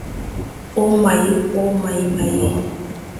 oh my! oh my my